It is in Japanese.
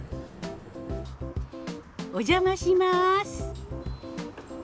お邪魔します。